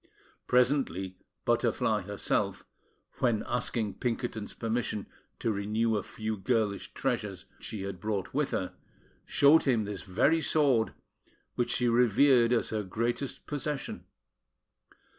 Presently, Butterfly herself, when asking Pinkerton's permission to retain a few girlish treasures she had brought with her, showed him this very sword, which she revered as her greatest possession.